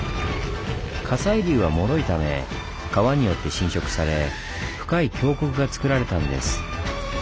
火砕流はもろいため川によって浸食され深い峡谷がつくられたんです。